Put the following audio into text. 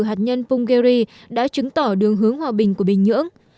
hạt nhân punggeria đã chứng tỏ đường hướng hòa bình của bình nhưỡng